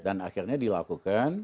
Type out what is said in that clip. dan akhirnya dilakukan